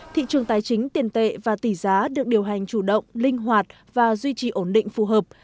thị trường tài chính tiền tệ và tỷ giá được điều hành chủ động linh hoạt và duy trì ổn định phù hợp